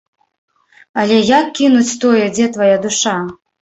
Але як кінуць тое, дзе твая душа?